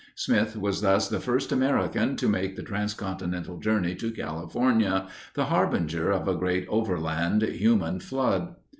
Smith was thus the first American to make the transcontinental journey to California, the harbinger of a great overland human flood.